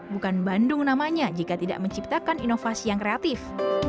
bukan bandung namanya jika tidak menciptakan inovasi yang kreatif